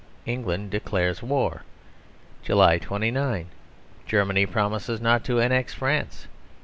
England declares war. July 29. Germany promises not to annex France.